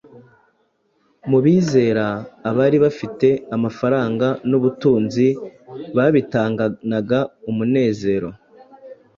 Mu bizera, abari bafite amafaranga n’ubutunzi babitanganaga umunezero